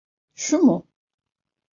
Şu mu?